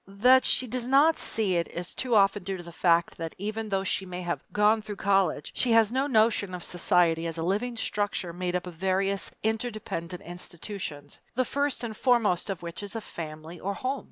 That she does not see it is too often due to the fact that even though she may have "gone through college," she has no notion of society as a living structure made up of various interdependent institutions, the first and foremost of which is a family or home.